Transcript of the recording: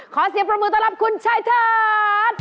ขอเสียงปรบมือต้อนรับคุณชายทัศน์